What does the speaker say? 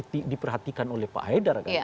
ini diperhatikan oleh pak haidar